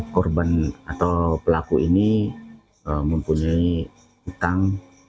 korban atau pelaku ini mempunyai utang